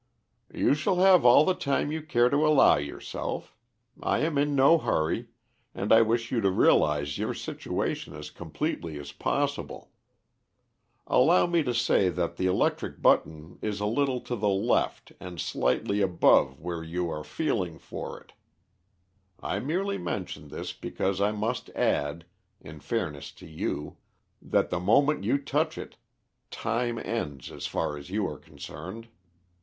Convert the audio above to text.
"You shall have all the time you care to allow yourself. I am in no hurry, and I wish you to realise your situation as completely as possible. Allow me to say that the electric button is a little to the left and slightly above where you are feeling for it. I merely mention this because I must add, in fairness to you, that the moment you touch it, time ends as far as you are concerned.